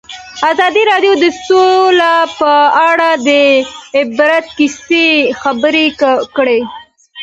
ازادي راډیو د سوله په اړه د عبرت کیسې خبر کړي.